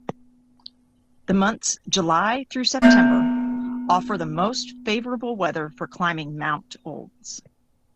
The months July through September offer the most favorable weather for climbing Mount Olds.